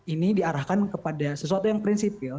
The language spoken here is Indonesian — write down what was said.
ini diarahkan kepada sesuatu yang prinsipil